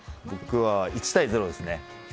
僕は１対０ですね。